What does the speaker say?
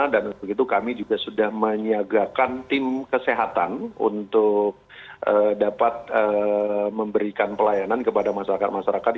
dan begitu kami juga sudah menyiagakan tim kesehatan untuk dapat memberikan pelayanan kepada masyarakat masyarakat